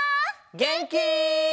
げんき？